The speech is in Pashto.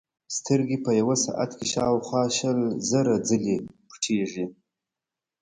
سترګې په یوه ساعت کې شاوخوا شل زره ځلې پټېږي.